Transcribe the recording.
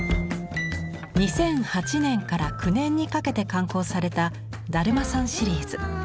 ２００８年から２００９年にかけて刊行された「だるまさん」シリーズ。